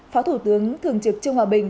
phó thủ tướng thường trực trương hòa bình